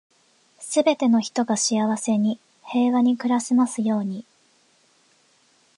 全ての人が幸せに、平和に暮らせますように。